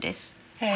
へえ。